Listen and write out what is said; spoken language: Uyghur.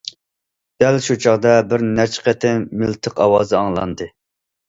دەل شۇ چاغدا بىر نەچچە قېتىم مىلتىق ئاۋازى ئاڭلاندى.